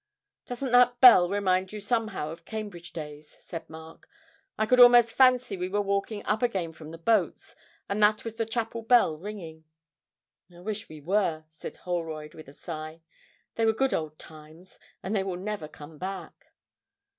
'Doesn't that bell remind you somehow of Cambridge days?' said Mark. 'I could almost fancy we were walking up again from the boats, and that was the chapel bell ringing.' 'I wish we were,' said Holroyd with a sigh: 'they were good old times, and they will never come back.'